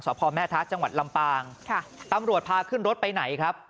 พ่อแม่ทะจังหวัดลำปางค่ะตำรวจพาขึ้นรถไปไหนครับ